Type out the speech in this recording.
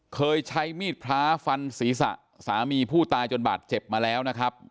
เคยใช้มีดพระฟันศีรษะสามีผู้ตายจนบาดเจ็บมาแล้วนะครับ